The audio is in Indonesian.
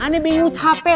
aneh bingung capek